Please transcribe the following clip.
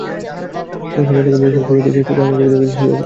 কারণ, সমাজ তাকে বহিষ্কার করে দিচ্ছে, চোখে আঙুল দিয়ে দেখাচ্ছে সে-ই অপরাধী।